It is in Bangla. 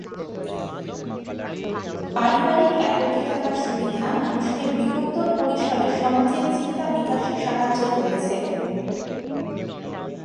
পারিবারিক একত্রে থাকার সুবিধা মানুষকে বৃহত্তর পরিসরে সমাজের চিন্তা বিকাশে সাহায্য করেছে।